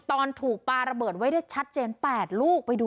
ตอนถูกปลาระเบิดไว้ได้ชัดเจน๘ลูกไปดู